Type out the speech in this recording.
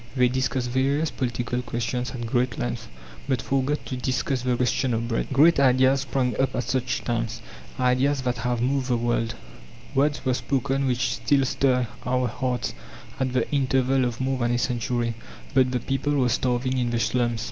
They discussed various political questions at great length, but forgot to discuss the question of bread. Great ideas sprang up at such times, ideas that have moved the world; words were spoken which still stir our hearts, at the interval of more than a century. But the people were starving in the slums.